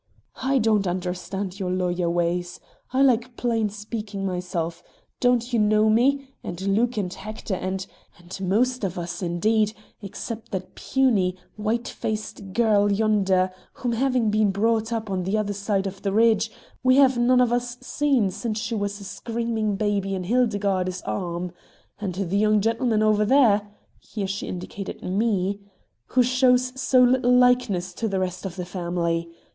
"I don't understand your lawyer ways. I like plain speaking myself. Don't you know me, and Luke and Hector, and and most of us indeed, except that puny, white faced girl yonder, whom, having been brought up on the other side of the Ridge, we have none of us seen since she was a screaming baby in Hildegarde's arms. And the young gentleman over there," here she indicated me "who shows so little likeness to the rest of the family.